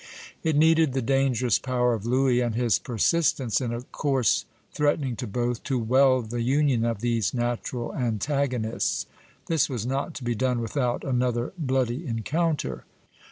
It needed the dangerous power of Louis, and his persistence in a course threatening to both, to weld the union of these natural antagonists. This was not to be done without another bloody encounter.